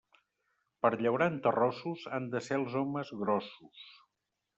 Per llaurar en terrossos, han de ser els homes grossos.